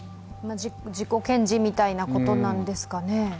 自己顕示みたいなことなんですかね？